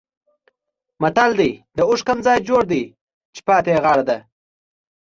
متل دی: د اوښ کوم ځای جوړ دی چې پاتې یې غاړه ده.